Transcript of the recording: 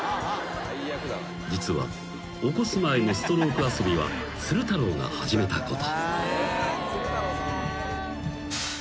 ［実は起こす前のストローク遊びは鶴太郎が始めたこと］